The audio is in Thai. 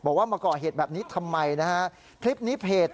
อ้าวมึงตีหลานภู